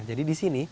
jadi di sini